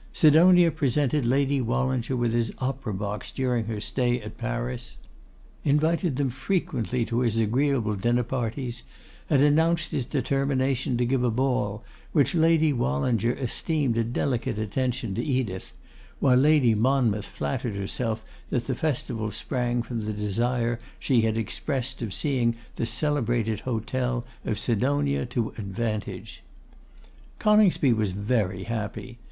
Sidonia presented Lady Wallinger with his opera box during her stay at Paris; invited them frequently to his agreeable dinner parties; and announced his determination to give a ball, which Lady Wallinger esteemed a delicate attention to Edith; while Lady Monmouth flattered herself that the festival sprang from the desire she had expressed of seeing the celebrated hotel of Sidonia to advantage. Coningsby was very happy.